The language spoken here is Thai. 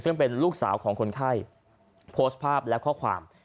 ซึ่งเป็นลูกสาวของคนไข้โพสต์ภาพและข้อความ